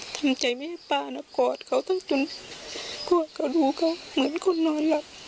ทำใจไม่ให้ป้านักกอดเขาจนกลัวเขาดูเขาเหมือนคนนอนหลับ